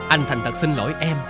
anh thành thật xin lỗi em